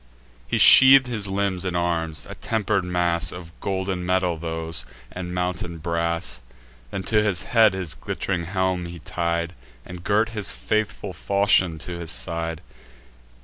He sheath'd his limbs in arms; a temper'd mass Of golden metal those, and mountain brass. Then to his head his glitt'ring helm he tied, And girt his faithful falchion to his side.